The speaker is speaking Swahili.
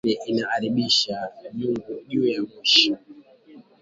Nkuni inaaribishaka byungu juya moshi